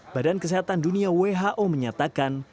badan kesehatan dunia who menyatakan